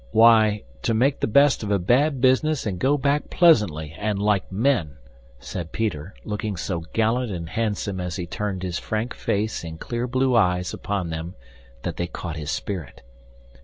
"Why, to make the best of a bad business and go back pleasantly and like men," said Peter, looking so gallant and handsome as he turned his frank face and clear blue eyes upon them that they caught his spirit.